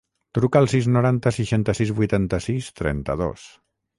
Truca al sis, noranta, seixanta-sis, vuitanta-sis, trenta-dos.